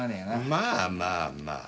まあまあまあ。